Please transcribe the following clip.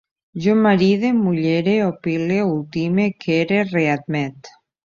Jo maride, mullere, opile, ultime, quere, readmet